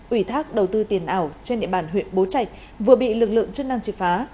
ủy thác đầu tư tiền ảo trên địa bàn huyện bố trạch vừa bị lực lượng chức năng triệt phá